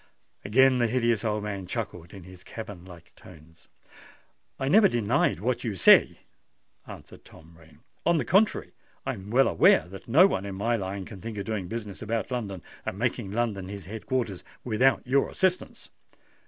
Again the hideous old man chuckled in his cavern like tones. "I never denied what you say," answered Tom Rain. "On the contrary, I am well aware that no one in my line can think of doing business about London, and making London his head quarters, without your assistance."